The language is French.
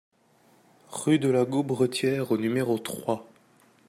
Rue de la Gaubretière au numéro trois